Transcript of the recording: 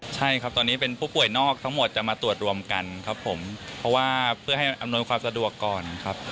ใช่ครับตอนนี้เป็นผู้ป่วยนอกทั้งหมดจะมาตรวจรวมกันครับผมเพราะว่าเพื่อให้อำนวยความสะดวกก่อนครับ